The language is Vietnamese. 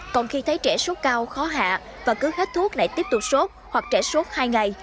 còn khi thấy trẻ sốt cao khó hạ và cứ hết thuốc lại tiếp tục sốt hoặc trẻ sốt hai ngày